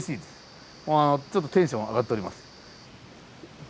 ちょっとテンション上がっております。